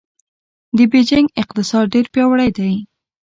د بېجینګ اقتصاد ډېر پیاوړی دی.